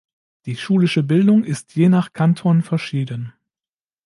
Die schulische Bildung ist je nach Kanton verschieden.